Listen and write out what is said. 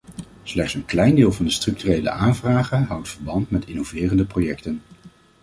Slechts een klein deel van de structurele aanvragen houdt verband met innoverende projecten.